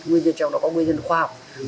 nguyên nhân trong đó có nguyên nhân khoa học